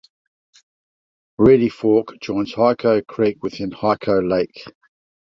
Reedy Fork joins Hyco Creek within Hyco Lake.